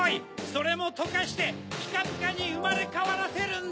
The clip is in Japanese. それもとかしてピカピカにうまれかわらせるんだ。